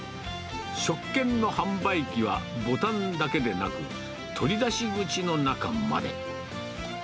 食券の販売機はボタンだけでなく、取り出し口の中まで。